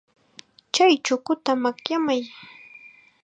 Chay chukuta makyamay.